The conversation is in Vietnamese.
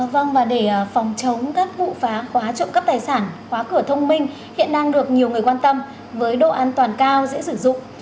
vâng và để phòng chống các vụ phá khóa trộm cắp tài sản khóa cửa thông minh hiện đang được nhiều người quan tâm với độ an toàn cao dễ sử dụng